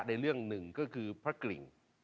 ในเรื่องหนึ่งก็คือพระกริ่ง